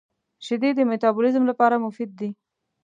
• شیدې د مټابولیزم لپاره مفید دي.